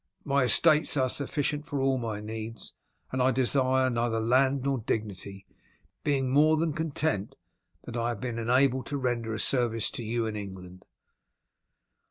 "My estates are sufficient for all my needs, and I desire neither land nor dignity, being more than content that I have been enabled to render a service to you and to England."